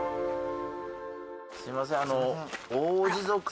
すいません